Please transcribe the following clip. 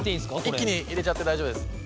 一気に入れちゃって大丈夫です。